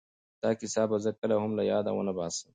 دا کیسه به زه کله هم له یاده ونه باسم.